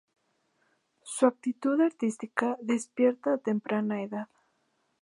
Su actitud artística despierta a temprana edad.